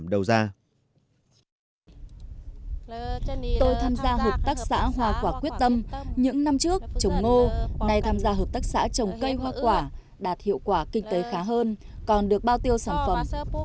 tôi tham gia hợp tác xã hoa quả quyết tâm những năm trước trồng ngô này tham gia hợp tác xã trồng cây hoa quả đạt hiệu quả kinh tế khá hơn còn được bao tiêu sản phẩm